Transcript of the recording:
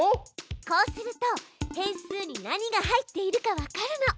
こうすると変数に何が入っているかわかるの。